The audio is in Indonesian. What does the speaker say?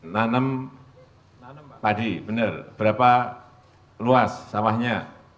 nanam padi benar berapa luas sawahnya